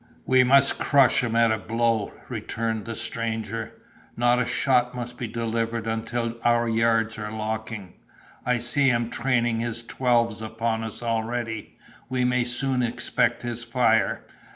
"We must crush him at a blow," returned the stranger; "not a shot must be delivered until our yards are locking." "I see him training his twelves upon us already; we may soon expect his fire."